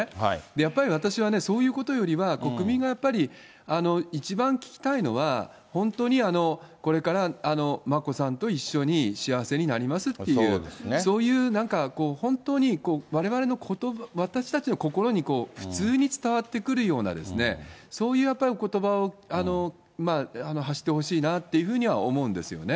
やっぱり、私はね、そういうことよりは、国民がやっぱり一番聞きたいのは、本当にこれから眞子さんと一緒に幸せになりますっていう、そういう本当にわれわれの、私たちの心に普通に伝わってくるような、そういうことばを発してほしいなというふうには思うんですよね。